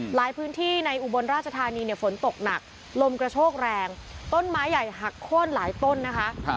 หลายพื้นที่ในอุบลราชธานีเนี่ยฝนตกหนักลมกระโชกแรงต้นไม้ใหญ่หักโค้นหลายต้นนะคะ